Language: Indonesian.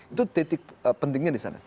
itu titik pentingnya disana